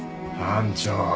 班長。